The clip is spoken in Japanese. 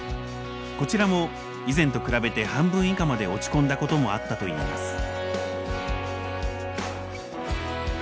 こちらも以前と比べて半分以下まで落ち込んだこともあったといいます。